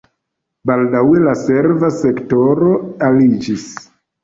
Baldaŭe la serva sektoro aliĝis.